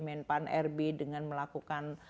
menpan rb dengan melakukan